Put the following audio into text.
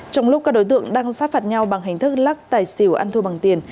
trong lúc các đối tượng đang sát phạt nhau bằng hình thức lắc tài xỉu ăn thua bằng tiền